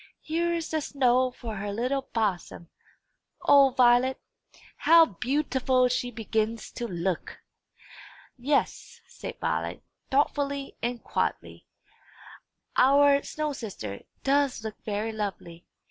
"Here is the snow for her little bosom. O Violet, how beau ti ful she begins to look!" "Yes," said Violet, thoughtfully and quietly; "our snow sister does look very lovely.